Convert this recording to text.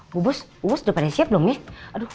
bu bos uwos udah pada siap lon ya